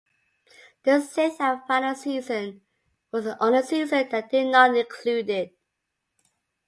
The sixth and final season was the only season that did not include it.